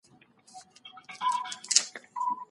ویره مو باید ستاسو د بریالیتوب خنډ نه سي.